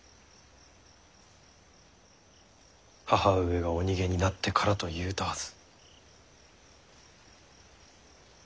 母上がお逃げになってからと言うたはず。